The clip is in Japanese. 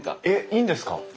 えっいいんですか？